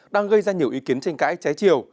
đang gây ra nhiều ý kiến tranh cãi trái chiều